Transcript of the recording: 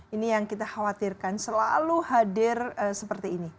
ini yang kita khawatirkan selalu hadir seperti ini